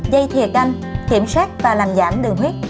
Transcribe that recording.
dây thiều canh kiểm soát và làm giảm đường huyết